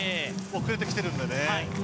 遅れてきているんでね。